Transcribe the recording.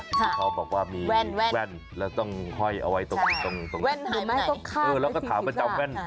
ค่ะพ่อบอกว่ามีแว่นแล้วต้องค่อยเอาไว้ตรงร่าง